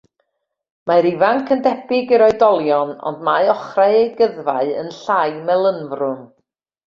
Mae'r ifanc yn debyg i'r oedolion ond mae ochrau eu gyddfau yn llai melynfrown.